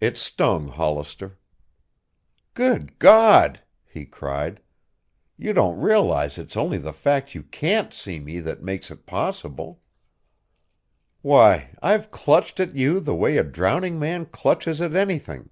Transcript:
It stung Hollister. "Good God," he cried, "you don't realize it's only the fact you can't see me that makes it possible. Why, I've clutched at you the way a drowning man clutches at anything.